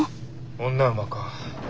女馬か。